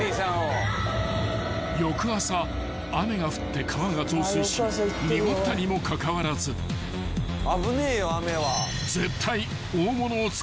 ［翌朝雨が降って川が増水し濁ったにもかかわらず絶対］